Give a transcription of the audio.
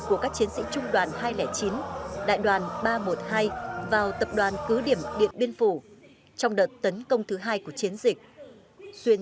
của các chiến sĩ trung đoàn hai trăm linh chín đại đoàn ba trăm một mươi hai vào tập đoàn cứ điểm điện biên phủ trong đợt tấn công thứ hai của chiến dịch xuyên